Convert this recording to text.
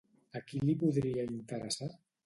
A qui li podria interessar?